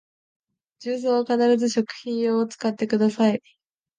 重曹は必ず食品用を使ってください